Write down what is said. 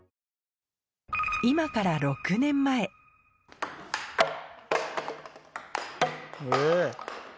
今から６年前え！